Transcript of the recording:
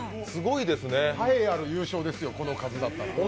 栄えある優勝ですよ、この数やったら。